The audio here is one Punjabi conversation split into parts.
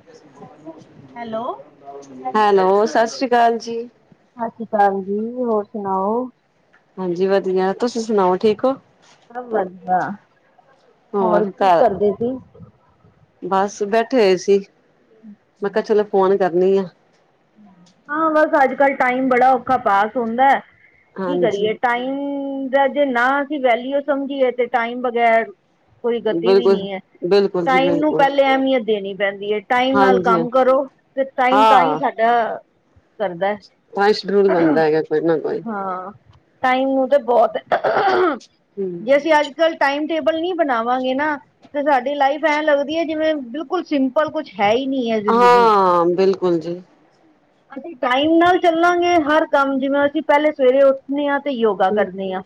[inaudible] [unintelligible] ਹੈਲੋ। ਹੈਲੋ, ਸਤਿ ਸ੍ਰੀ ਕਾਲ ਜੀ ਸਾ ਸੀ, ਕਾਲ ਜੀ, ਹੋਰ ਸੁਣਾਓ? ਹਾਂਜੀ, ਵਧੀਆ। ਤੁਸੀਂ ਸੁਣਾਓ, ਠੀਕ ਔ? ਸਭ ਵਧੀਆ, ਹੋਰ ਕੀ ਕਰਦੇ ਸੀ? ਬਸ, ਬੈਠੇ ਹੋਏ ਸੀ, ਮੈਂ ਕਿਹਾ ਚਲੋ ਫੋਨ, ਕਰਨੀਲਈਏ ਹਾਂ ਬਸ, ਅੱਜ -ਕੱਲ ਟਾਈਮ ਬੜਾ ਔਖਾ, ਪਾਸ ਹੁੰਦਾ ਕੀ ਹਾਂਜੀ ਕਰੀਏ ਟ ਹੂ ਦਾ ਜੇ ਨਾ ਅਸੀਂ ਵੈਲਿਊ ਸਮਝੀ ਏ, ਤੇ ਟਾਈਮ ਬਗੈਰ ਕੋਈ ਗਤੀ ਵੀ, ਬਿਲਕੁਲ ਨਹੀਂ ਹੈ ਬਿਲਕੁਲ ਜੀ ਟਾਈਮ ਨੂੰ ਬਿਲਕੁਲ ਪਹਿਲੇ, ਅਹਿਮੀਅਤ ਦੇਣੀ ਪੈਂਦੀ ਏ, ਟਾਈਮ ਨਾਲ ਹਾਂਜੀ ਹਾਂ ਕੰਮ, ਕਰੋ ਤੇ ਟਾਈਮ ਤਾਂ ਹੀ ਕਿਆ, ਕਰਦਾ ਪੰਜ ਕਰੋੜ ਬਣਦਾ ਹੈਗਾ, ਕੋਈ ਨਾ ਕੋਈ ਹਾਂ ਟਾਈਮ ਨੂੰ ਤਾਂ ਬਹੁਤ, ਹਮ ਜੇ ਅਸੀਂ ਅੱਜ ਜਦ ਟਾਈਮ ਟੇਬਲ ਨੀ ਬਣਾਵਾਂਗੇ ਨਾ, ਤੇ ਸਾਡੀ ਲਾਈਫ ਐਂ ਲੱਗਦੀ ਹੈ ਜਿਵੇਂ ਬਿਲਕੁਲ ਪਰ ਕੁੱਛ ਹੈ, ਨਹੀਂ ਹੈ ਜ਼ਿੰਦਗੀ ਚ ਹਾਂ ਬਿਲਕੁਲ ਜੀ ਹਾਂਜੀ, ਟਾਈਮ ਨਾਲ ਚੱਲਾਂਗੇ, ਹਰ ਕੰਮ ਜਿਵੇਂ ਅਸੀਂ ਪਹਿਲੇ ਸਵੇਰੇ ਉੱਠ ਨਈ ਤਾ ਤੇ ਯੋਗਾ ਕਰਨੇ ਆ,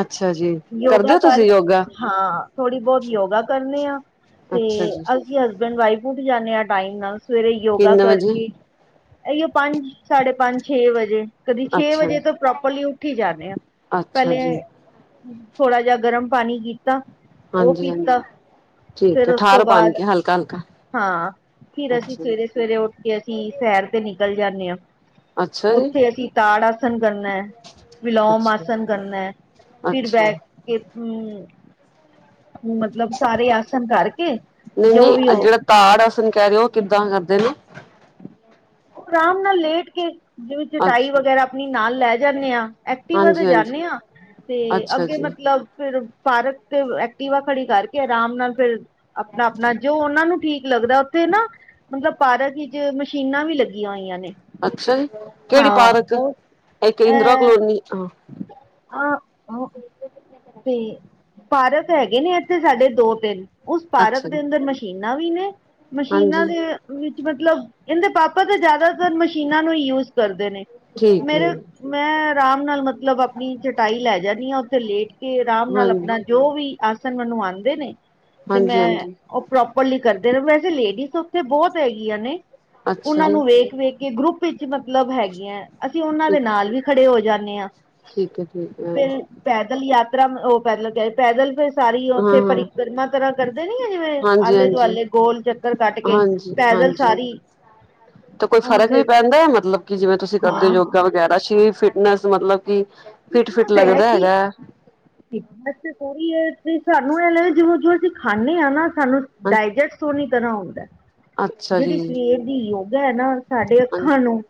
ਅੱਛਾ ਜੀ ਕਰਦੇ ਯੋਗਾ ਹੋ ਤੁਸੀਂ ਯੋਗਾ ਕਰਕੇ ਹਾਂ, ਥੋੜ੍ਹੀ -ਬਹੁਤ ਯੋਗਾ ਕਰਨੇ ਆ ਤੇ ਅੱਛਾ ਜੀ ਅ ਹਸਬੈਂਡ -ਵਾਈਫ ਉੱਠ ਜਾਂਦੇ ਆ ਟਾਈਮ ਨਾਲ, ਸਵੇਰੇ ਯੋਗਾ ਕਿੰਨੇ ਵਜੇ ਕਰਕੇ ਇਓ ਪੰਜ -ਸਾਢੇ ਪੰਜ ਛੇ ਵਜੇ ਕਦੇ ਛੇ ਅੱਛਾ ਵਜੇ ਤੇ ਪ੍ਰੋਪਰਲੀ, ਉੱਠੀ ਜਾਂਦੇ ਆ ਅੱਛਾ ਜੀ ਪਹਿਲੇ ਥੋੜਾ ਜਿਹਾ, ਗਰਮ ਪਾਣੀ ਪੀਤਾ ਉਹ ਹਾਂਜੀ -ਹਾਂਜੀ ਠੀਕ ਫਿਰ ਹੈ ਉਸ ਤੋਂ ਠਾਰ ਪਣ ਬਾਅਦ ਕੇ, ਹਲਕਾ ਹਲਕਾ ਹਾਂ, ਫਿਰ ਅਸੀਂ ਅੱਛਾ ਸਵੇਰੇ- ਸਵੇਰੇ ਉੱਠ ਕੇ ਅਸੀਂ ਸੈਰ ਤੇ ਨਿਕਲ ਜਾਂਦੇ ਹਾਂ ਅੱਛਾ ਜੀ ਉੱਥੇ ਅਸੀਂ, ਤਾੜ ਆਸਣ, ਕਰਨਾ ਵਿਿਲੋਮ ਅੱਛਾ, ਆਸਨ, ਕਰਨਾ ਅੱਛਾ। ਕਿਸ ਨੂੰ ਮਤਲਬ ਸਾਰੇ, ਆਸਣ ਕਰਕੇ, ਜੋ ਵੀ ਉਹ ਤੁਮ ਕਹਿ ਰਹੇ ਹੋ, ਕਿੱਦਾਂ ਕਰਦੇ ਨੇ ਉਹ ਆਰਾਮ ਨਾਲ, ਲੇਟ ਕੇ ਜਿਵੇਂ, ਚੁਟਾਈ ਅੱਛਾ, ਵਗੈਰਾ ਆਪਣੀ ਨਾਲ ਲੈ ਜਾਂਦੇ ਹਾਂ, ਐਕਟਿਵ ਕੇ ਹਾਂਜੀ-ਹਾਂਜੀ ਜਾਂਦੇ ਹਾਂ ਤੇ ਅੱਛਾ ਅੱਗੇ ਜੀ, ਮਤਲਬ ਫਿਰ ਪਾਰਕ ਤੇ, ਐਕਟੀਵਾ ਖੜੀ ਕਰਕੇ ਆਰਾਮ ਨਾਲ, ਫੇਿਰ ਆਪਣਾ ਆਪਣਾ ਜੋ ਉਹਨਾਂ ਨੂੰ ਠੀਕ ਲੱਗਦਾ, ਉੱਥੇ ਨਾ ਮਤਲਬ ਪਾਰਕ ਵਿਚ ਮਸ਼ੀਨਾਂ ਵੀ, ਲੱਗੀਆਂ ਹੋਈਆਂ ਨੇ ਅੱਛਾ ਜੀ, ਕਿਹੜੀ ਹਾਂ ਪਾਰਕ ਬਹੁਤ ਇੱਕ ਇੰਦਰਾ ਕਲੋਨੀ, ਹਾਂ ਆਹ ਓ ਤੇ ਪਾਰਕ ਹੈਗੇ ਨੇ, ਇੱਥੇ ਸਾਡੇ ਦੋ ਤਿੰਨ ਉਸ ਪਾਰਕ, ਅੱਛਾ ਜੀ, ਦੇ ਅੰਦਰ ਮਸ਼ ਮਸ਼ੀਨਾਂ ਵੀ ਨੇ, ਮਸ਼ੀਨਾਂ ਹਾਂਜੀ ਦੇ ਵਿੱਚ ਮਤਲਬ, ਇਹਦੇ ਪਾਪ ਪਤਾ ਜਿਆਦਾਤਰ, ਮਸ਼ੀਨਾਂ ਨੂੰ ਯੂਜ ਕਰਦੇ ਨੇ, ਠੀਕ ਹੈ। ਮੇਰੇ ਮੈਂ ਆਰਾਮ ਨਾਲ ਮਤਲਬ, ਆਪਣੀ ਚਟਾਈ ਲੈ ਜਾਦੀ ਹਾਂ, ਉੱਥੇ ਲੇਟ ਕੇ, ਆਰਾਮ ਨਾਲ ਹਾਂਜੀ, ਆਪਣਾ ਜੋ ਵੀ ਆਸਨ, ਮੈਨੂੰ ਆਉਂਦੇ ਨੇ ਤੇ ਮੈਂ ਹਾਂਜੀ-ਹਾਂਜੀ ਉਹ ਪ੍ਰੋਪਰਲੀ ਕਰਦੇ ਨੇ, ਵੈਸੇ ਲੇਡੀਜ਼ ਉੱਥੇ ਬਹੁਤ ਹੈਗੀਆਂ ਨੇ ਅੱਛਾ ਉਹਨਾਂ ਜੀ ਨੂੰ, ਵੇਖ- ਵੇਖ ਕੇ ਗਰੁੱਪ ਵਿੱਚ ਮਤਲਬ ਹੈਗੀੀਆਂ, ਅਸੀਂ ਉਹਨਾਂ ਠੀਕ ਦੇ ਨਾਲ ਵੀ ਖੜੇ ਹੋ ਜਾਂਦੇ ਹਾਂ, ਠੀਕ ਹੈ ਠੀਕ ਹੈ, ਫਿਰ ਪੈਦਲ ਯਾਤਰਾ ਉਹ ਪੈਦਲ, ਕ ਪੈਦਲ ਫਿਰ ਸਾਰੀ ਉੱਥੇ ਹਾਂ-ਹਾਂ ਪਰਿਕਰਮਾ ਕਰਾ ਕਰਦੇ ਨੀ ਆ ਜਿਵੇਂ ਆਲੇ ਹਾਂਜੀ-ਹਾਂਜੀ, ਦੁਆਲੇ ਗੋਲ ਚੱਕਰ ਕੱਟ ਕੇ ਪੈਦਲ ਹਾਂਜੀ-ਹਾਂਜੀ ਸਾਰੀ। ਤੇ ਕੋਈ ਉਹ ਫ਼ਰਕ ਤੇ ਵੀ ਪੈਂਦਾ ਮਤਲਬ ਕਿ ਜਿਵੇਂ ਤੁਸੀਂ ਹਾਂ ਕਰਦੇ ਹੋ ਯੋਗਾ ਹਾਂ ਵਗੈਰਾ ਸਰੀਰ ਫਿਟਨੈਸ ਮਤਲਬ ਕਿ ਫਿਟ-ਫਿਟ ਕਿਤਨਾ ਹੈ ਲੱਗਦਾ ਕਿ। ਹੈਗਾ? ਉਹੀ ਹੈ ਸਾਨੂੰ ਇਹ ਲੇ ਜੀਵੇ ਕੀ ਅਸੀਂ ਖਾਂਨੇ ਹਾਂ ਨਾ ਸਾਨੂੰ ਡਾਇਜੈਸਟ ਹੋੋਨੀ ਤਰਾਂ ਹੁੰਦਾ ਅੱਛਾ ਜੀ ਜਿਹੜੀ ਸਰੀਰ ਦੀ ਯੋਗਾ ਹੈ ਨਾ ਸਾਡੇ ਹਾਂਜੀ ਅੱਖਾਂ ਨੂੰ,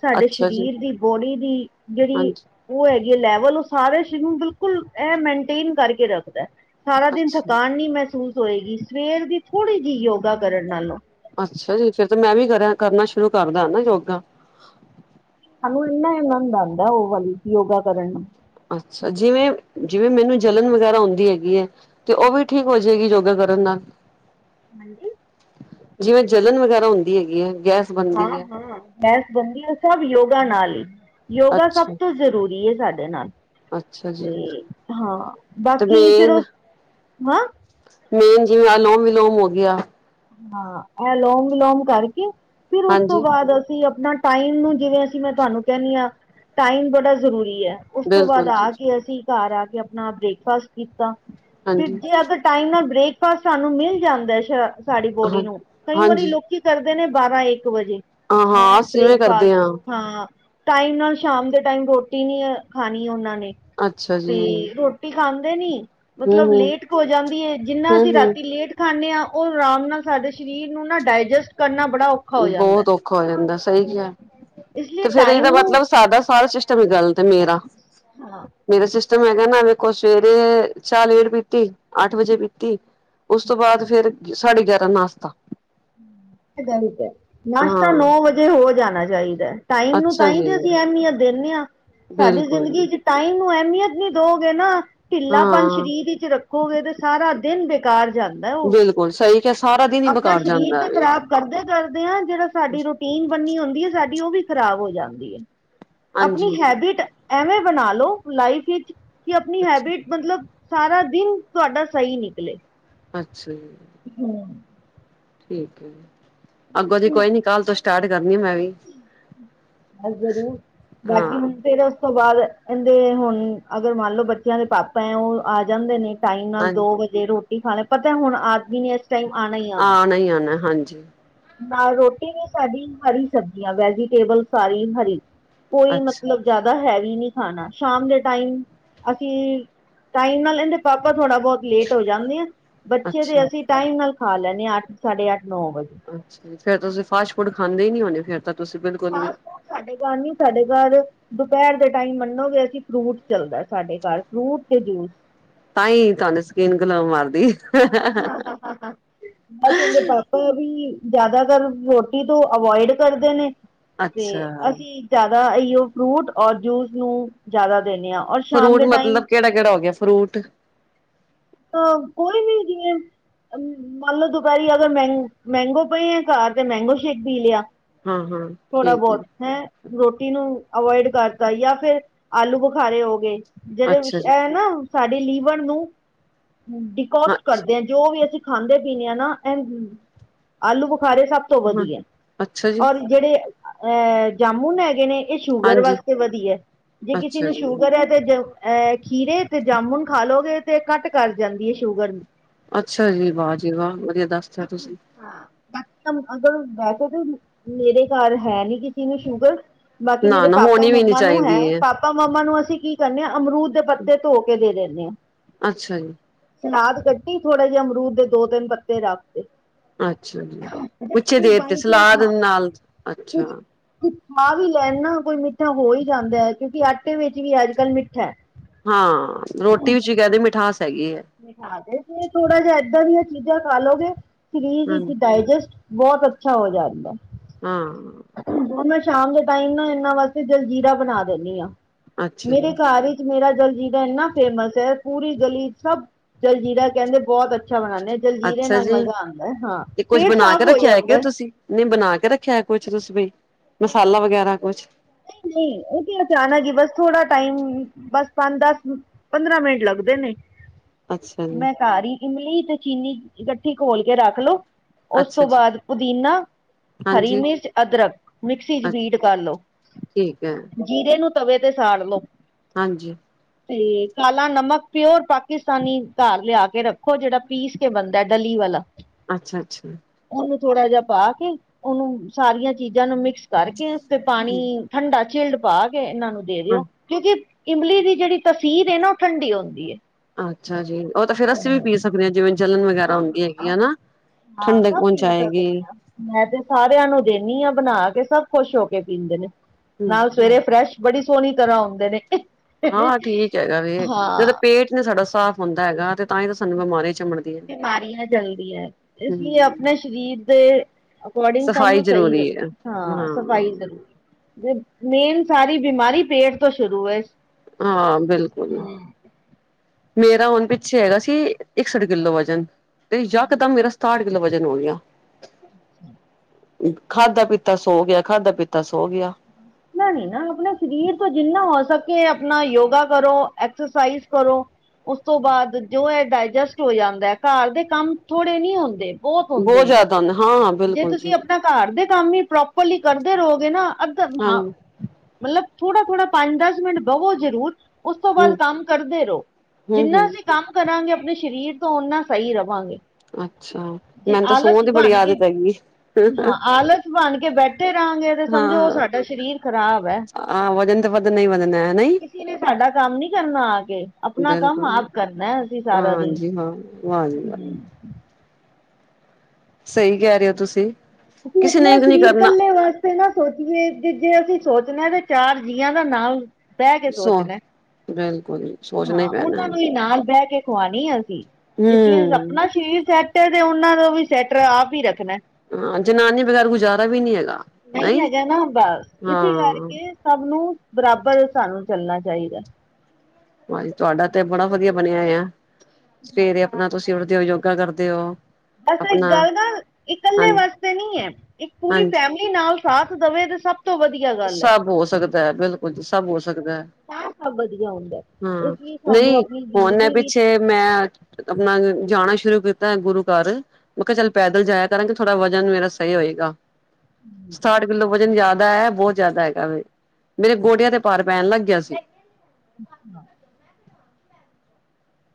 ਸਾਡੇ ਅੱਛਾ ਜੀ ਸਰੀਰ ਦੀ ਬੋਡੀ ਦੀ ਜਿਹੜੀ ਹਾਂਜੀ ਉਹ ਹੈਗੀ ਏ ਲੈਵਲ ਉਹ ਸਾਰੇ ਸ਼ਰੀਰ ਨੂੰ ਬਿਲਕੁਲ ਇਹ ਮੇਨਟੇਨ ਕਰਕੇ ਰੱਖਦਾ। ਸਾਰਾ ਦਿਨ ਅੱਛਾ ਥਕਾਨ ਨੀ ਮਹਿਸੂਸ ਹੋਏਗੀ ਸਵੇਰ ਦੀ ਥੋੜੀ ਜਿਹੀ ਯੋਗਾ ਕਰਨ ਨਾਲੋਂ। ਅੱਛਾ ਜੀ ਫੇਰ ਤੇ ਮੈਂ ਵੀ ਕਰਾ ਕਰਨਾ ਸ਼ੁਰੂ ਕਰਦਾ ਨਾ ਯੋਗਾ। ਸਾਨੂੰ ਇੰਨਾ ਆਨੰਦ ਆਂਦਾ ਉਹ ਵਾਲੀ ਯੋਗਾ ਕਰਨ। ਅੱਛਾ ਜਿਵੇਂ-ਜਿਵੇਂ ਮੈਨੂੰ ਜਲਨ ਵਗੈਰਾ ਹੋਂਦੀ ਹੈਗੀ ਏ। ਤੇ ਉ ਵੀ ਠੀਕ ਹੋ ਜਾਏਗੀ ਯੋਗਾ ਕਰਨ ਨਾਲ? ਹਾਂਜੀ। ਜਿਵੇਂ ਜਲਣ ਵਗੈਰਾ ਹੁੰਦੀ ਹੈਗੀ ਏ ਗੈਸ ਬਣਦੀ ਹਾਂ- ਹੈ ਹਾਂ ਗੈਸ ਬੰਦੀ ਏ ਸਭ ਯੋਗਾ ਨਾਲ ਈ ਯੋਗਾ ਸਭ ਅੱਛਾ ਤੋਂ ਜ਼ਰੂਰੀ ਏ ਸਾਡੇ ਨਾਲ। ਅੱਛਾ ਜੀ ਤੇ ਹਾਂ ਤੇ ਬਾਕੀ ਫੇਰ ਮੇਨ ਓ ਹਾਂ ਮੇਨ ਜਿਵੇਂ ਅਲੋਮ- ਵਿਲੋਮ ਹੋ ਗਿਆ। ਹਾਂ ਏ ਅਲੋਂਮ ਵਿਲੋਮ ਕਰਕੇ ਫੇਰ ਉਸ ਤੋਂ ਹਾਂਜੀ ਬਾਦ ਅਸੀਂ ਆਪਣਾ ਟਾਈਮ ਨੂੰ ਜਿਵੇਂ ਅਸੀਂ ਮੈਂ ਤੁਆਨੂੰ ਕੇਨੀ ਆ ਟਾਈਮ ਬੜਾ ਜ਼ਰੂਰੀ ਏ ਉਸ ਤੋਂ ਬਾਅਦ ਬਿਲਕੁਲ ਜੀ ਆ ਕੇ ਅਸੀਂ ਘਰ ਆ ਕੇ ਆਪਣਾ ਬ੍ਰੇਕਫਾਸਟ ਕੀਤਾ, ਫੇਰ ਹਾਂਜੀ ਜੇ ਅਗਰ ਟਾਈਮ ਨਾਲ ਬ੍ਰੇਕਫਾਸਟ ਸਾਨੂੰ ਮਿਲ ਜਾਂਦਾ ਏ ਸਾਡੀ ਹਾਂ ਬੋਡੀ ਨੂੰ, ਕਈ ਵਾਰੀ ਹਾਂਜੀ ਲੋਕੀ ਕਰਦੇ ਨੇ ਬਾਰਾਂ- ਇੱਕ ਵਜੇ ਹਾਂ ਹਾਂ ਹੈਂ ਅਸੀਂ ਇਵੇਂ ਕਰਦੇ ਬ੍ਰੇਕਫਾਸਟ ਹਾਂ ਟਾਈਮ ਨਾਲ ਸ਼ਾਮ ਦੇ ਟਾਈਮ ਰੋਟੀ ਨੀ ਖਾਣੀ ਉਨਾਂ ਨੇ, ਅੱਛਾ ਤੇ ਜੀ ਰੋ ਰੋਟੀ ਖਾਂਦੇ ਨੀ ਹਮ ਮਤਲਬ ਹਮ ਲੇਟ ਹੋ ਜਾਂਦੀ ਐ ਜਿੰਨਾ ਹਮ ਅਸੀਂ ਹਮ ਰਾਤੀ ਲੇਟ ਖਾਂਨੇ ਆ ਉਹ ਆਰਾਮ ਨਾਲ ਸਾਡੇ ਸਰੀਰ ਨੂੰ ਨਾ ਡਾਇਜੈਸਟ ਕਰਨਾ ਬੜਾ ਔਖਾ ਹੋ ਜਾਂਦਾ ਬੋਤ ਔਖਾ ਹੋ ਜਾਂਦਾ ਸਈ ਹਮ ਕਿਯਾ ਇਸ ਲਈ ਤੇ ਫੇਰ ਇਹਦਾ ਟਾਈਮ ਨੂੰ ਮਤਲਬ ਸਾਦਾ ਸਾਰਾ ਸ਼ਿਸ਼ ਟਮ ਹੀ ਗੱਲਤ ਏ ਮੇਰਾ ਹਾਂ ਮੇਰਾ ਸਿਸਟਮ ਹੈਗਾ ਨਾ ਵੇਖੋ ਸਵੇਰੇ ਚਾਹ ਲੇਟ ਪੀਤੀ ਅੱਠ ਵਜੇ ਪੀਤੀ ਉਸ ਤੋਂ ਬਾਦ ਫੇਰ ਸਾਢੇ ਗਿਆਰਾਂ ਨਾਸਤਾ ਏ ਗਲਤ ਏ ਨਾਸ਼ਤਾ ਹਾਂ ਨੌ ਵਜੇ ਹੋ ਜਾਣਾ ਚਾਈਦਾ ਏ ਟਾਈਮ ਨੂੰ ਅੱਛਾ ਤਾਂਈ ਜੀ ਤੇ ਅਸੀਂ ਅਹਿਮੀਅਤ ਦੇਨੇ ਆ ਸਾਡੀ ਬਿਲਕੁਲ ਜ਼ਿੰਦਗੀ 'ਚ ਟਾਈਮ ਨੂੰ ਅਹਿਮੀਅਤ ਨੀ ਦੋਗੇ ਨਾ ਹਾਂ ਠਿਲਾਪਣ ਸਰੀਰ ਇੰਚ ਰੱਖੋਗੇ ਤੇ ਸਾਰਾ ਦਿਨ ਬੇਕਾਰ ਜਾਂਦਾ ਉ ਤੇ ਕੇ ਸਾਰਾ ਦਿਨ ਈ ਬਕਾਰ ਸ਼ਰੀਰ ਬੀ ਖਰਾਬ। ਕਰਦੇ- ਕਰਦੇ ਆ ਜਿੜਾ ਸਾਡੀ ਰੂਟੀਨ ਬਣੀ ਹੁੰਦੀ ਹੈ ਸਾਡੀ ਉਹ ਵੀ ਖ਼ਰਾਬ ਹੋ ਜਾਂਦੀ ਏ। ਆਪਣੀ ਹਾਂਜੀ ਹੈਬਿਟ ਐਵੇਂ ਬਣਾ ਲੋ ਲਾਈਫ ਵਿੱਚ ਕਿ ਆਪਣੀ ਅੱਛਾ ਹੈਬਿਟ ਮਤਲਬ ਸਾਰਾ ਦਿਨ ਤੁਆਡਾ ਸਈ ਨਿਕਲੇ। ਅੱਛਾ ਜੀ। ਹੂੰ। ਠੀਕ ਹੈ ਜੀ ਅੱਗੋਂ ਤੋ ਕੋਈ ਨੀ ਕੱਲ ਤੋਂ ਸਟਾਰਟ ਕਰਨੀ ਆ ਮੈਂ ਵੀ। ਹਾਂ ਜ਼ਰੂਰ ਹਾਂ ਬਾਕੀ ਹੁਣ ਫੇਰ ਉਸ ਤੋਂ ਬਾਦ ਏਂਦੇ ਹੁਣ ਅਗਰ ਮੰਨ ਲਓ ਬੱਚਿਆਂ ਦੇ ਪਾਪਾ ਐ ਉ ਆ ਜਾਂਦੇ ਨੇ ਟਾਈਮ ਨਾਲ ਹਾਂ ਦੋ ਵਜੇ ਰੋਟੀ ਖਾ ਲੈ ਪਤਾ ਹੁਣ ਆਦਮੀ ਨੇ ਇਸ ਟਾਈਮ ਆਣਾ ਹੀ ਆਣਾ ਈ ਆਣਾ ਹਾਂਜੀ ਨਾਲ ਰੋਟੀ ਵੀ ਸਾਡੀ ਹਰੀ ਸਬਜ਼ੀਆਂ ਵੈਜੀਟੇਬਲ ਸਾਰੀ ਹਰੀ ਕੋਈ ਅੱਛਾ ਮਤਲਬ ਜ਼ਾਦਾ ਹੈਵੀ ਨੀ ਖਾਨਾ ਸ਼ਾਮ ਦੇ ਟਾਈਮ ਅਸੀਂ ਟਾਈਮ ਨਾਲ ਇੰਦੇ ਪਾਪਾ ਥੋੜ੍ਹਾ ਬੋਤ ਲੇਟ ਹੋ ਜਾਂਦੇ ਏ ਬੱਚੇ ਦੇ ਅੱਛਾ ਅਸੀਂ ਟਾਈਮ ਨਾਲ ਖਾ ਲੈਂਨੇ ਆ ਅੱਠ ਸਾਢੇ ਅੱਠ ਨੌ ਵਜੇ ਅੱਛਾ ਫੇਰ ਤਾ ਤੁਸੀਂ ਫਾਸਟ ਫੂਡ ਖਾਂਦੇ ਈ ਨੀ ਹੋਨੇ ਫੇਰ ਤਾਂ ਤੁਸੀਂ ਬਿਲਕੁਲ ਵੀ ਤੁਹਾਡੇ ਘਰ ਨੀ ਸਾਡੇ ਘਰ ਦੁਪੇਰ ਦੇ ਟਾਈਮ ਮੰਨੋਗੇ ਅਸੀਂ ਫਰੂਟ ਚੱਲਦਾ ਏ ਸਾਡੇ ਘਰ ਫਰੂਟ ਤੇ ਜੂਸ ਤਾਂ ਈ ਤੁਹਾਨ ਸਕੀਨ ਗਲੋ ਮਾਰਦੀ ਆਪਾਂ ਵੀ ਜਿਆਦਾਤਰ ਰੋਟੀ ਤੋਂ ਅਵੋਇਡ ਕਰਦੇ ਨੇ ਤੇ ਅੱਛਾ। ਅਸੀਂ ਜ਼ਿਆਦਾ ਐਓਂ ਫਰੂਟ ਔਰ ਜੂਸ ਨੂੰ ਜ਼ਿਆਦਾ ਦੇਿੰਨੇ ਆ ਫਰੂਟ ਮਤਲਬ ਕੇੜਾ ਕੇੜਾ ਹੋ ਗਿਆ ਫਰੂਟ ਤਾ ਕੋਈ ਵੀ ਜਿਵੇਂ ਮੰਨ ਲਓ ਦੁਪਹਿਰੀ ਅਗਰ ਮਹਿੰ ਮਹਿੰਗੋ ਪਏ ਹੈ ਘਰ ਤੇ ਮਹਿੰਗੋ ਸ਼ੇਕ ਪੀ ਲਿਆ ਹਾਂ-ਹਾਂ ਥੋਰਾ ਠੀਕ ਹੈ ਬਹੁਤ ਹੈਂ ਰੋਟੀ ਨੂੰ ਅਵੋਇਡ ਕਰਤਾ ਜਾਂ ਫਿਰ ਆਲੂ ਬੁਖਾਰੇ ਹੋ ਗਏ ਜਿਹੜੇ ਅੱਛਾ ਜੀ। ਇਹ ਨਾ ਸਾਡੀ ਲੀਵਨ ਨੂੰ ਹਾਂ, ਡਿਕੋਸਟ ਕਰਦੇ ਹ ਜੋ ਵੀ ਅਸੀਂ ਖਾਂਦੇ ਪੀਦੇ ਹਾਂ ਨਾ ਆਲੂ ਬੁਖਾਰੇ ਸਭ ਤੋਂ ਹਾਂ ਵਧੀਆ ਅੱਛਾ ਜੀ ਔਰ ਜਿਹੜੇ ਅਹ ਜਾਮੁਨ ਹੈਗੇ ਨੇ, ਇਹ ਸ਼ੂਗਰ ਹਾਂਜੀ ਵਾਸਤੇ ਵਧੀਆ ਜੇ ਕਿਸੇ ਅੱਛਾ ਨੂੰ ਜੀ। ਸ਼ੂਗਰ ਹੈ। ਤੇ ਜ ਅਹ ਖੀਰੇ ਤੇ ਜਾਮੁਨ ਖਾਾਲੋਗੇ ਤੇ ਘੱਟ ਕਰ ਜਾਂਦੀ ਹੈ ਸ਼ੂਗਰ ਨੂੰ ਅੱਛਾ ਜੀ ਵਾਹ ਜੀ ਵਾਹ ਵਧੀਆ ਦੱਸ ਤਾਂ ਤੁਸੀਂ ਹਾਂ ਬਾਕੀ ਅਗਰ ਵੈਸੇ ਤਾਂ ਮੇਰੇ ਘਰ ਹੈ ਨੀ ਕਿ ਇੰਨੀ ਸ਼ੂਗਰ ਬਾਕੀ ਮੇਰੇ ਨਾ-ਨਾ ਪਾਪਾ ਹੋਣੀ ਵੀ ਨੀ ਮਾਮਾ ਨੂੰ ਚਾਹੀਦੀ ਹੈ ਪਾਪਾ ਮਾਮਾ ਨੂੰ ਅਸੀਂ ਕੀ, ਕਰਨੇ ਹਾਂ ਅਮਰੂਦ ਦੇ ਪੱਤੇ ਧੋ ਕੇ ਦੇ ਦਿੰਦੇ ਆ। ਅੱਛਾ ਜੀ, ਸਲਾਦ ਕੱਟੀ ਥੋੜਾ ਜਿਹੇ ਅਮਰੂਦ ਦੇ ਦੋ ਤਿੰਨ ਪੱਤੇ ਰੱਖਤੇ ਅੱਛਾ ਜੀ ਵਿੱਚ ਦੇ ਤੇ ਚਾਂਸ ਸਲਾਦ ਹਾਂ ਨਾਲ ਅੱਛਾ ਕੁਛ ਖਾ ਵੀ ਲੈਣ ਨਾ ਕੋਈ ਮਿੱਠਾ ਹੋ ਹੀ ਜਾਂਦਾ ਹੈ ਕਿਉਂਕਿ ਆਟੇ ਵਿੱਚ ਵੀ ਅੱਜ ਕੱਲ੍ਹ ਮਿੱਠਾ ਹੈ ਹਾਂ ਰੋਟੀ ਵਿੱਚ ਹੀ ਕਹਿਦੇ ਮਿਠਾਸ ਹੈਗੀ ਹੈ ਹਾ ਜੈ ਥੋੜਾ ਜਿਹਾ ਏਦਾਂ ਦੀਆਂ ਚੀਜ਼ਾਂ ਖਾਾਲੋਗੇ ਸਰੀਰ ਹਾਂ, ਵਿੱਚ ਡਾਇਜਸਟ ਬਹੁਤ ਅੱਛਾ ਹੋ ਜਾਂਦਾ ਹਾਂ ਹ ਮੈਂ ਸ਼ਾਮ ਦੇ ਟਾਈਮ ਨਾ ਇਹਨਾਂ ਵਾਸਤੇ ਜਲਜੀਰਾ ਬਣਾ ਦਿੰਦੀ ਹਾਂ ਅੱਛਾ ਜੀ। ਮੇਰੇ ਘਰ ਵਿੱਚ ਮੇਰਾ ਜਲ ਜੀਰਾ ਇੰਨਾ ਫੇਮਸ ਹੈ ਪੂਰੀ ਗਲੀ ਸਭ ਜਲਜੀੀਰਾ ਕਹਿੰਦੇ ਬਹੁਤ ਅੱਛਾ ਬਣਾਨੇ ਆ ਜਲਜੀਰੇ ਅੱਛਾ ਨਾਲ ਜੀ ਮਜ਼ਾ ਆਉਦਾ ਹੈ ਹਾਂ ਤੇ ਕੁੱਝ ਪੇਟ ਬਣਾ ਕੇ ਸਾਫ਼ ਹੋ ਰੱਖਿਆ ਹੈ ਜਾਦਾ ਕਿ ਏ ਤੁਸੀਂ ਨਹੀਂ ਬਣਾ ਕੇ ਰੱਖਿਆ ਕੁਛ ਤੁਸੀ ਬੀ ਮਸਾਲਾ ਵਗੈਰਾ ਕੁਛ ਨਹੀਂ ਨਹੀਂ ਉਹ ਤੇ ਅਚਾਨਕ ਹੀ ਬਸ ਥੋੜਾ ਟਾਈਮ ਬਸ ਪੰਜ ਦਸ ਪੰਦਰਾਂ ਮਿੰਟ ਲੱਗਦੇ ਨੇ ਅੱਛਾ ਜੀ ਮੈਂ ਘਾਰ ਹੀ ਇਮਲੀ ਤੇ ਚੀਨੀ ਇਕੱਠੀ ਖੋਲ ਕੇ ਰੱਖ ਲੋੋ ਉਸ ਅੱਛਾ ਤੋਂ ਜੀ ਬਾਅਦ ਪੁਦੀਨਾ ਹਰੀ ਹਾਂਜੀ ਮਿਰਚ ਅਦਰਕ ਮਿਕਸੀ ਚ ਅ ਬੀਟ ਕਰ ਲੋ ਠੀਕ ਹੈ ਜੀਰੇ ਨੂੰ ਤਵੇ ਤੇ ਸਾੜ ਲਓ ਹਾਂਜੀ ਤੇ ਕਾਲਾ ਨਮਕ ਪਿਓਰ ਪਾਕਿਸਤਾਨੀ ਘਾਰ ਲਿਆ ਕੇ ਰੱਖੋ ਜਿਹੜਾ ਪੀਸ ਕੇ ਬਣਦਾ ਡਲੀ ਵਾਲਾ ਅੱਛਾ- ਅੱਛਾ -ਅੱਛਾ ਉਹਨੂੰ ਥੋੜਾ ਜਿਹਾ ਪਾ ਕੇ, ਉਹਨੂੰ ਸਾਰੀਆਂ ਚੀਜ਼ਾਂ ਨੂੰ ਮਿਕਸ ਕਰਕੇ, ਫਿਰ ਪਾਣੀ ਹ ਤੇ ਠੰਡਾ ਝਿਲਡ ਪਾ ਕੇ, ਇਹਨਾਂ ਨੂੰ ਦੇ ਦਿਓ ਕਿਉਂਕਿ, ਇਮਲੀ ਦੀ ਜਿਹੜੀ ਤਸੀਰ ਹੈ ਨਾ, ਉਹ ਠੰਡੀ ਹੁੰਦੀ ਹੈ ਅੱਛਾ ਜੀ, ਉਹ ਤਾਂ ਫਿਰ ਅਸੀ ਵੀ ਪੀ ਸਕਦੇ ਜਿਵੇਂ ਜਲਣ ਵਗੈਰਾ ਹਾਂ ਹੁੰਦੀ ਹਾਂ ਹੈਗੀ ਨਾ, ਹਾਂ ਠੰਡਕ ਸਭ ਪੀ ਪਹੁੰਚਾਏਗੀ ਸਕਦੇ ਆ ਮੈਂ ਤੇ ਸਾਰਿਆਂ ਨੂੰ ਦਿੰਦੀ ਹਾਂ ਬਣਾ ਕੇ, ਸਭ ਖੁਸ਼ ਹੋ ਕੇ ਪੀਂਦੇ ਨੇ, ਹਮ ਨਾਲੇ ਸਵੇਰੇ ਫਰੈਸ਼ ਬੜੀ ਸੋਹਣੀ ਤਰ੍ਹਾਂ ਹੁੰਦੇ ਨੇ ਹਾਂ ਠੀਕ ਹੈਗਾ ਵੇ, ਜਦੋਂ ਹਾਂ ਪੇਟ ਨਹੀ ਸਾਡਾ ਸਾਫ਼ ਹੁੰਦਾ ਹੈਗਾ ਤੇ ਤਾਂ ਹੀ ਤਾਂ ਸਾਨੂੰ ਬਿਮਾਰੀ ਚਿਮਣ ਬਿਮਾਰੀ ਹੈ ਜਲਦੀ ਹੈ, ਇਸ ਲਈ ਹਮ ਆਪਣੇ ਸਰੀਰ ਦੇ ਅਕੋਰਡਿੰਗ ਸਫ਼ਾਈ ਸਾਨੂੰ ਸਹੀ, ਜ਼ਰੂਰੀ ਹੈ ਹਾਂ ਸਫ਼ਾਈ ਕਰਨੀ ਮੇ ਮੇਨ ਸਾਰੀ ਬਿਮਾਰੀ ਪੇਟ ਤੋਂ ਸ਼ੁਰੂ ਏ ਹਾਂ, ਬਿਲਕੁਲ-ਬਿਲਕੁਲ ਮੇਰਾ ਹੁਣ ਪਿੱਛੇ ਹੈਗਾ ਸੀ ਇੱਕਸ ਸਠ ਕਿੱਲੋ ਵਜਨ ਤੇ ਯਕਦਮ ਮੇਰਾ ਸਤਾਠ ਕਿੱਲੋ ਵਜਨ ਹੋ ਗਿਆਂ ਖਾਧਾ ਪੀਤਾ ਸੋ ਗਿਆ ਖਾਧਾ ਪੀਤਾ ਸੋ ਗਿਆ ਐਨਾ ਨੀ, ਆਪਣੇ ਸਰੀਰ ਤੋਂ ਜਿੰਨਾ ਹੋ ਸਕੇ ਆਪਣਾ ਯੋਗਾ ਕਰੋ, ਐਕਸਰਸਾਈਜ਼ ਕਰੋ। ਉਸ ਤੋਂ ਬਾਅਦ ਜੋ ਇਹ ਡਾਇਜਸਟ ਹੋ ਜਾਂਦਾ ਹੈ, ਘਰ ਦੇ ਕੰਮ ਥੋੜੇ ਨਹੀਂ ਹੁੰਦੇ। ਹੁੰਦੇ ਬਹੁਤ ਹੈ ਜ਼ਿਆਦਾ ਨਾ, ਹਾਂ। ਜੇ ਬਿਲਕੁਲ ਤੁਸੀਂ ਜੀ ਆਪਣੇ ਘਰ ਦੇ ਕੰਮ ਹੀ ਪ੍ਰੋਪਰਲੀ ਕਰਦੇ ਰਹੋਗੇ ਨਾ, ਅੱਧ ਹਾਂ ਹਾਂਜੀ ਮਤਲਬ ਥੋੜਾ- ਥੋੜਾ ਪੰਜ ਦਸ ਮਿੰਟ ਬਹਵੋ ਜ਼ਰੂਰ ਉਸ ਤੋਂ ਬਾਅਦ ਹਮ ਕੰਮ ਕਰਦੇ ਰਹੋ, ਹਮ ਜਿੰਨਾ ਹਮ ਅਸੀਂ ਕੰਮ ਕਰਾਂਗੇ ਆਪਣੇ, ਸਰੀਰ ਤੋਂ ਓਨਾ ਸਹੀ ਰਵਾਂਗੇ। ਅੱਛਾ, ਜੇ ਮੈਨੂੰ ਤਾਂ ਸੋਂਹ ਆਲਸ ਦੀ ਬੜੀ ਬਣ ਆਦਤ ਕੇ ਹੈਗੀ। ਹਾਂ ਆਲਸ ਬਣ ਕੇ ਬੈਠੇ ਰਹਾਂਗੇ, ਤੇ ਸਮਝੋ ਸਾਡਾ ਸਰੀਰ ਖ਼ਰਾਬ ਹੈ। ਆਂ ਵਜਨ ਤਾਂ ਵਧਣ ਹੀ ਵਧਨ ਨਹੀ ਦੇਣਾ ਨਹੀ। ਕਿਸੀ ਨੇ ਸਾਡਾ ਕੰਮ ਨੀ ਕਰਨਾ ਆ ਕੇ। ਆਪਣਾ ਕੰਮ ਬਿਲਕੁਲ ਆਪ ਕਰਨਾ ਅਸੀਂ ਸਾਰਾ ਦਿਨ, ਹਾਂਜੀ ਹਾਂ ਵਾਹ ਜੀ ਵਾਹ ਹਮ। ਸਹੀ ਕਹਿ ਰਹੇ ਤੁਸੀਂ। ਅਸੀਂ ਕਿਸੇ ਆਪਣਾ ਨੇ ਨੀ ਸਰੀਰ ਕਰਨਾ ਇਕੱਲੇ ਵਾਸ ਇਕੱਲੇ ਨਾ ਸੋਚੀਏ ਜੇ, ਜੇ ਅਸੀਂ ਸੋਚਦੇ ਹਾਂ, ਤੇ ਚਾਰ ਜੀਆਂ ਦਾ ਨਾਮ ਬਹਿ ਕੇ ਸੋ ਸੋਚਣਾ। ਬਿਲਕੁਲ ਜੀ। ਹਾਂ, ਉਹਨਾਂ ਨੂੰ ਨਾਲ ਬਹਿ ਕੇ ਖਵਾਣੀ ਅਸੀਂ। ਇਸ ਲਈ ਹਮ ਆਪਣਾ ਸਰੀਰ ਸੈੱਟ ਹੈ, ਤੇ ਉਹਨਾਂ ਦਾ ਵੀ ਸੈੱਟ ਆਪ ਹੀ ਰੱਖਣਾ। ਹਾਂ, ਜਨਾਨੀ ਬਗੈਰ ਗੁਜ਼ਾਰਾ ਵੀ ਨੀ ਹੈਗਾ। ਨਹੀਂ ਹੈਗਾ ਨਾ ਬਸ, ਇਸੀ ਹਾਂ ਕਰਕੇ ਸਭ ਨੂੰ, ਬਰਾਬਰ ਸਾਨੂੰ ਚੱਲਣਾ ਚਾਹੀਦਾ। ਹਾਂਜੀ ਤੁਹਾਡਾ ਤੇ ਬੜਾ ਵਧੀਆ ਬਣਿਆ ਹੋਇਆ, ਸਵੇਰੇ ਆਪਣਾ ਤੁਸੀਂ ਉੱਠਦੇ ਹੋ ਯੋਗਾ ਕਰਦੇ ਹੋ। ਬਸ ਇੱਕ ਆਪਣਾ ਗੱਲ ਨਾਲ, ਹਾਂ ਇਕੱਲੇ ਵਾਸਤੇ ਨੀ ਹੈ, ਇੱਕ ਪੂਰੀ ਹਾਂਜੀ ਫੈਮਲੀ ਪਤੀ ਨਾਲ ਸਾਥ ਦੇਵੇ ਤੇ ਸਭ ਤੋਂ ਵਧੀਆ ਗੱਲ ਹੈ ਸਭ ਹੋ ਸਕਦਾ ਹੈ, ਬਿਲਕੁਲ ਜੀ ਸਭ ਹੋ ਸਕਦਾ ਹੈ। ਤਾਂ ਸਭ ਵਧੀਆ ਹੁੰਦਾ ਇਸ ਹਮ, ਲਈ ਸਾਨੂੰ ਨਹੀਂ ਆਪਣੀ ਹੁਣ ਐ ਜ਼ਿੰਦਗੀ ਵਿੱਚ ਪਿੱਛੇ ਮੈਂ, ਅੱਜ ਆਪਣਾ ਜਾਣਾ ਸ਼ੁਰੂ ਕੀਤਾ ਗੁਰੂ ਘਰ। ਮੈਂ ਕਿਹਾ ਚੱਲ ਪੈਦਲ ਜਾਇਆ ਕਰਾਂਗੀ, ਥੋੜ੍ਹਾ ਵਜਨ ਮੇਰਾ ਸਹੀ ਹੋਏਗਾ। ਸਤਾਠ ਕਿੱਲੋ ਵਜਨ ਜ਼ਿਆਦਾ ਹੈ, ਬਹੁਤ ਜ਼ਿਆਦਾ ਹੈਗਾ ਵੀ, ਮੇਰੇ ਗੋਡਿਆਂ ਤੇ ਪਾਰ ਪੈਣ ਲੱਗ ਗਿਆ ਸੀ। ਅੱ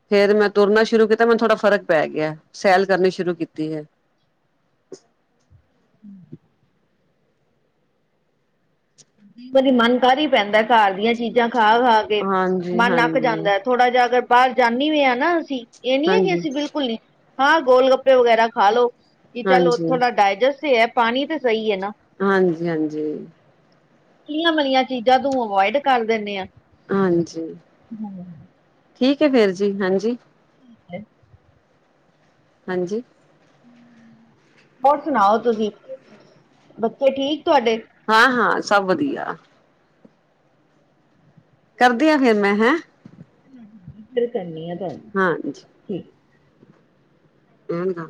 ਫੇਰ ਮੈਂ ਤੁਰਨਾ ਸ਼ੁਰੂ ਕੀਤਾ ਮੈਨੂੰ ਥੋੜਾ ਫਰਕ ਪੈ ਗਿਆ, ਸੈਲ ਕਰਨੀ ਸ਼ੁਰੂ ਕੀਤੀ ਹੈ। ਹੁਂ। ਕ ਵਾਰੀ ਮਨ ਕਾਲੀ ਪੈਂਦਾ ਘਰ ਦੀਆਂ ਚੀਜ਼ਾਂ ਖਾ ਖਾ ਕੇ, ਹਾਂਜੀ ਮਨ ਅੱਕ ਹਾਂਜੀ ਜਾਂਦਾ। ਥੋੜਾ ਜਿਹਾ ਅਗਰ ਬਾਹਰ ਜਾਂਨੇ ਵੀ ਹਾਂ ਨਾ ਅਸੀਂ, ਏ ਨੀ ਹੈ ਕਿ ਹਾਂਜੀ ਅਸੀਂ ਬਿਲਕੁਲ ਬਿਲਕੁਲ ਨੀ, ਹਾਂ ਗੋਲ ਗੱਪੇ ਵਗੈਰਾ ਖਾ ਲੋ, ਕਿ ਚੱਲ ਹਾਂਜੀ, ਥੋ੍ਹਾ ਡਾਇਜਸਟ ਹੀ ਹੈ। ਪਾਣੀ ਤਾਂ ਸਹੀ ਹੈ ਨਾ। ਹਾਂਜੀ, ਹਾਂਜੀ। ਤਲੀਆਂ ਮਲੀਆਂ ਚੀਜ਼ਾਂ ਤੂੰ, ਅਵੋਇਡ ਕਰ ਦਿੰਦੇ ਆ। ਹਾਂਜੀ, ਠੀਕ ਹੈ ਫਿਰ ਜੀ, ਹਾਂਜੀ। ਹਾਂਜੀ। ਹੋਰ ਸੁਣਾਓ ਤੁਸੀਂ, ਬੱਚੇ ਠੀਕ ਤੁਹਾਡੇ। ਹਾਂ, ਹਾਂ ਸਭ ਵਧੀਆ। ਕਰਦੀ ਆ ਫੇਿਰ ਮੈਂ, ਹੈਂ ਫਿਰ ਕਰਨੀ ਤੁਹਾਨੂੰ ਹਾਂਜੀ। ਠੀਕ। ਚੰਗਾ।